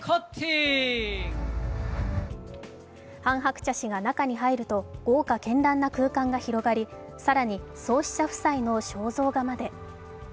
ハン・ハクチャ氏が中に入ると豪華けんらんな空間が広がり更に創始者夫妻の肖像画まで。